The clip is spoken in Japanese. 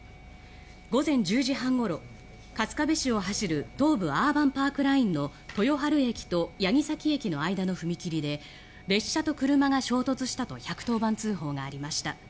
午前１０時半ごろ春日部市を走る東武アーバンパークラインの豊春駅と八木崎駅の間の踏切で列車と車が衝突したと１１０番通報がありました。